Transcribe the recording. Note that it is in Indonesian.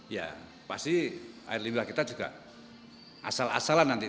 ya pasti air limbah kita juga asal asalan nanti